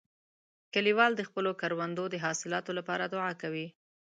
کلیوال د خپلو کروندو د حاصلاتو لپاره دعا کوله.